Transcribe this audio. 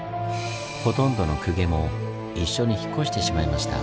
ほとんどの公家も一緒に引っ越してしまいました。